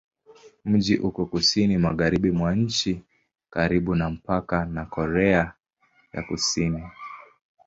Mji uko kusini-magharibi mwa nchi, karibu na mpaka na Korea ya Kusini.